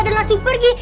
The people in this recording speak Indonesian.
udah langsung pergi